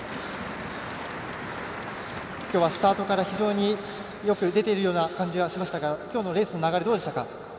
きょうはスタートから非常によく出ているような感じはしましたがきょうのレースの流れどうでしたか？